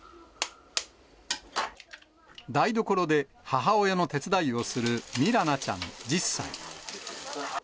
台所で母親の手伝いをするミラナちゃん１０歳。